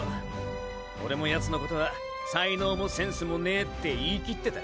オレもヤツのことは才能もセンスもねェって言い切ってた。